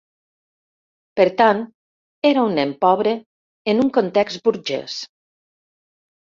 Per tant, era un nen pobre en un context burgés.